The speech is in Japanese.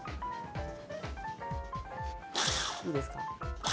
いいですか？